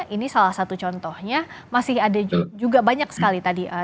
ini salah satu contohnya masih ada juga banyak sekali tadi